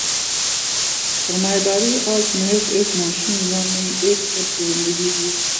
سرمایہ داری آج محض ایک معاشی نظام نہیں، ایک طرز زندگی بھی ہے۔